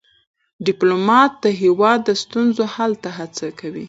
ډيپلومات د هیواد د ستونزو حل ته هڅه کوي.